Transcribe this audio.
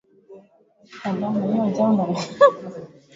Mchakato wa uponyaji unachukua takribani miezi mitatu hadi minne